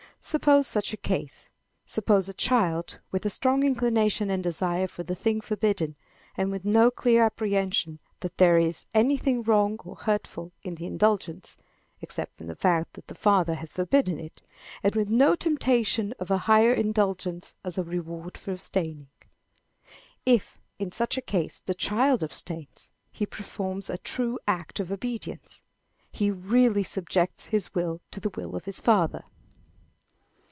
Suppose such a case. Suppose a child with a strong inclination and desire for the thing forbidden, and with no clear apprehension that there is anything wrong or hurtful in the indulgence, except in the fact that the father has forbidden it, and with no temptation of a higher indulgence as a reward for abstaining. If, in such a case, the child abstains, he performs a true act of obedience. He really subjects his will to the will of his father.